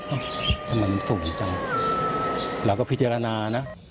ทำไมมันสูงจังเราก็พิจารณานะ